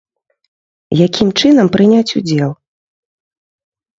Якім чынам прыняць удзел?